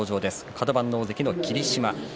カド番大関の霧島です。